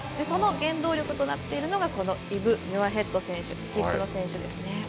その原動力となっているのがこのイブ・ミュアヘッド選手スキップの選手ですね。